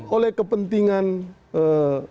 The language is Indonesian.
oleh kepentingan ee